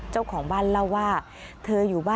เจ้าของบ้านเล่าว่า